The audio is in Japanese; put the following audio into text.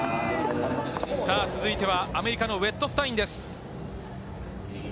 続いてはアメリカのウェットスタインです。